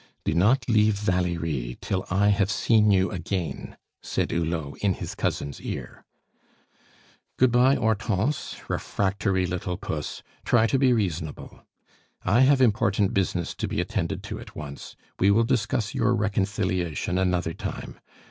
"Do not leave Valerie till I have seen you again," said Hulot in his cousin's ear. "Good bye, Hortense, refractory little puss; try to be reasonable. I have important business to be attended to at once; we will discuss your reconciliation another time.